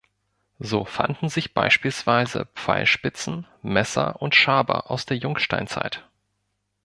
So fanden sich beispielsweise Pfeilspitzen, Messer und Schaber aus der Jungsteinzeit.